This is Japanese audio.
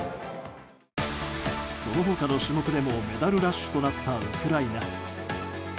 その他の種目でもメディアラッシュとなったウクライナ。